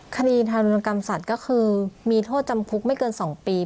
คดีทารุณกรรมสัตว์ก็คือมีโทษจำคุกไม่เกิน๒ปี